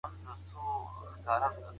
د فیصل په وېښتانو کې د واورې سپین بڅرکي وو.